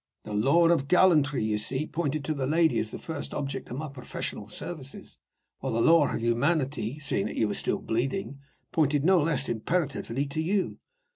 The law of gallantry, you see, pointed to the lady as the first object of my professional services, while the law of humanity (seeing that you were still bleeding) pointed no less imperatively to you.